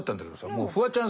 もうフワちゃん